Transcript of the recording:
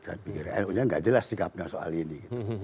saya pikir nu nya nggak jelas sikapnya soal ini